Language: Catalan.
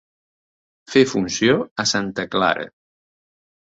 Fer funció a santa Clara.